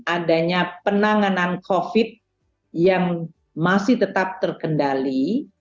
adanya penanganan covid yang masih tetap terkendali